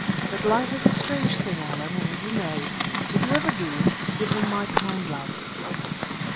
But life is a strange thing, Allan, and you may. If you ever do, give them my kind love."